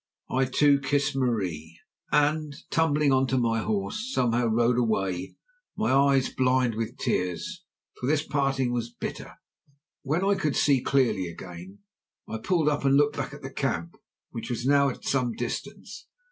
I, too, kissed Marie, and, tumbling on to my horse somehow, rode away, my eyes blind with tears, for this parting was bitter. When I could see clearly again I pulled up and looked back at the camp, which was now at some distance.